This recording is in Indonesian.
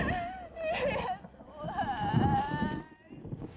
ia tuh hai